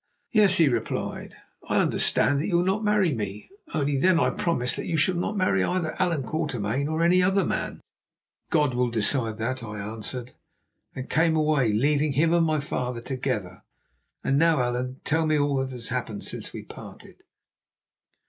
"'Yes,' he replied, 'I understand that you will not marry me. Only then I promise that you shall not marry either Allan Quatermain or any other man.' "'God will decide that,' I answered, and came away, leaving him and my father together. And now, Allan, tell me all that has happened since we parted."